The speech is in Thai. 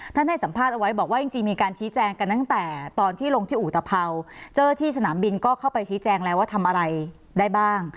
ให้สัมภาษณ์เอาไว้บอกว่าจริงมีการชี้แจงกันตั้งแต่ตอนที่ลงที่อุตภัวร์เจ้าหน้าที่สนามบินก็เข้าไปชี้แจงแล้วว่าทำอะไรได้บ้าง